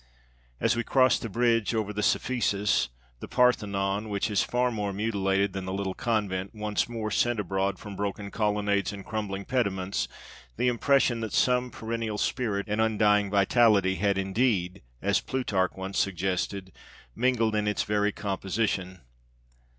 As we crossed the bridge over the Cephisus, the Parthenon, which is far more mutilated than the little convent, once more sent abroad from broken colonnades and crumbling pediments the impression that some perennial spirit and undying vitality had, indeed, as Plutarch once suggested, mingled in its very composition.